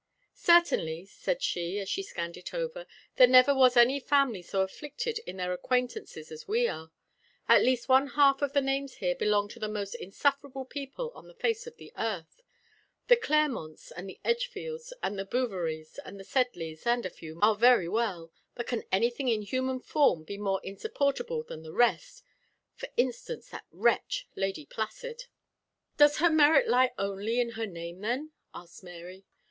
"Certainly," said she, as she scanned it over, "there never was any family so afflicted in their acquaintances as we are. At least one half of the names here belong to the most insufferable people on the face of the earth. The Claremonts, and the Edgefields, and the Bouveries, and the Sedleys, and a few more, are very well; but can anything in human form be more insupportable than the rest; for instance, that wretch Lady Placid?" "Does her merit lie only in her name then?" asked Mary.